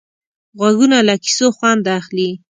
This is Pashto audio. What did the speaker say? غوږونه له کیسو خوند اخلي